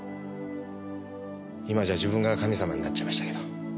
今じゃ自分が神様になっちゃいましたけど。